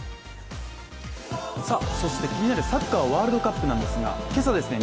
さあ、そして気になるサッカーワールドカップなんですが、今朝ですね